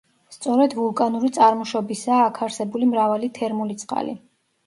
სწორედ ვულკანური წარმოშობისაა აქ არსებული მრავალი თერმული წყალი.